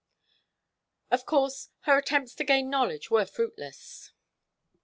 Of course, her attempts to gain knowledge were fruitless.